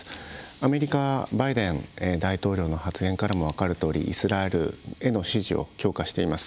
アメリカバイデン大統領の発言からも分かるとおりイスラエルへの支持を強化しています。